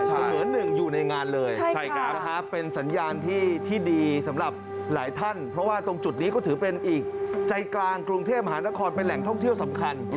เหมือนหนึ่งอยู่ในงานเลยใช่ครับเป็นสัญญาณที่ดีสำหรับหลายท่านเพราะว่าตรงจุดนี้ก็ถือเป็นอีกใจกลางกรุงเทพมหานครเป็นแหล่งท่องเที่ยวสำคัญ